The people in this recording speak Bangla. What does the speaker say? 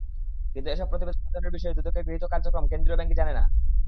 কিন্তু এসব প্রতিবেদনের বিষয়ে দুদকের গৃহীত কার্যক্রম কেন্দ্রীয় ব্যাংক জানে না।